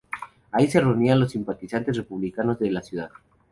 Ahí se reunían los simpatizantes republicanos de la ciudad.